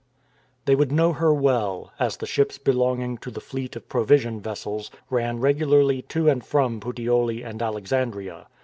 They would know her well, as the ships belonging to the fleet of provision vessels ran regularly to and from Puteoli and Alexandria.